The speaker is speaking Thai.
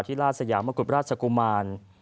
ที่ลาดสยามวราชกุมาร